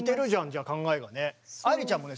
じゃあ考えがね。